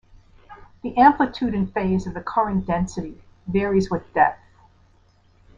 The amplitude and phase of the current density varies with depth.